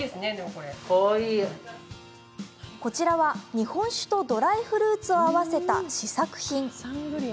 こちらは、日本酒とドライフルーツを合わせた試作品。